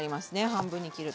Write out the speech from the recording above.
半分に切ると。